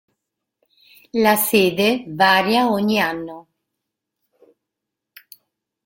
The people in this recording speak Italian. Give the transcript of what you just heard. La sede varia ogni anno.